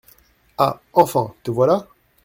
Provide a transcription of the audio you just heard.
Ah ! enfin ! te voilà ?